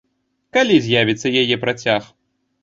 Калі з'явіцца яе працяг?